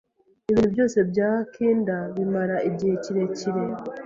Ibintu byose bya kinda bimara igihe kirekire